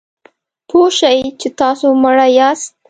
پوه شئ چې تاسو مړه یاست .